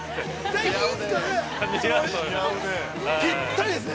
ぴったりですね。